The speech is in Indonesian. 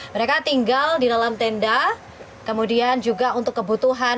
mereka tinggal di dalam tenda kemudian juga untuk kebutuhan